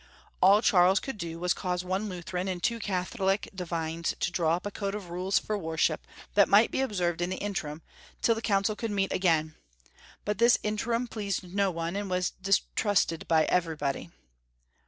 All Charles could do was to cause one Lutheran and two Catholic divines to draw up a code of rules for worship that might be observed in the Interim, tiU the Council could meet again, but this Interim pleased no one, and was distrusted by everybody.